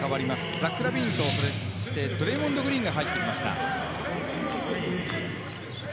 ザックとドレイモンド・グリーンが入ってきました。